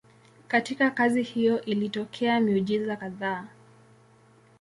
Katika kazi hiyo ilitokea miujiza kadhaa.